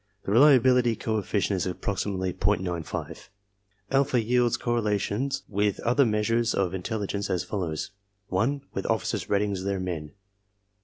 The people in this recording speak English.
The reliability coefficient is approximately .95. Alpha yields cor relations with other measures of intelligence as follows: (1) with oflBcers' ratings of their men